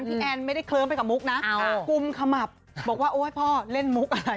แอนไม่ได้เคลิ้มไปกับมุกนะกุมขมับบอกว่าโอ๊ยพ่อเล่นมุกอะไร